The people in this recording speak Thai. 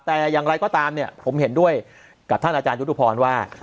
แต่อย่างไรก็ตามเนี่ยผมเห็นด้วยกับท่านอาจารยุทธุพรว่า